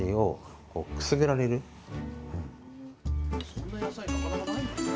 そんな野菜なかなかないよね。